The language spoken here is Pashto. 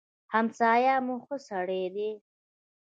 همسايه مو ښه سړی دی.